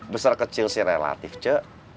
besar kecil sih relatif cek